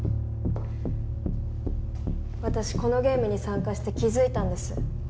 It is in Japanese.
私このゲームに参加して気づいたんです。